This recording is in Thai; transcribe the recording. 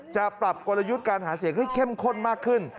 จะปรับกลยุทธ์การหาเสียงให้เข้มข้นมากขึ้น